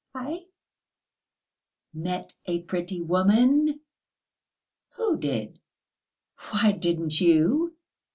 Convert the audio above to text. "Eh?" "Met a pretty woman?" "Who did?" "Why, didn't you?"